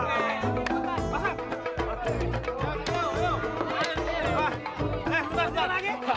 eh lupa lupa